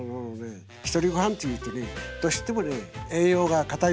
ひとりごはんっていうとねどうしても栄養が偏りやすい。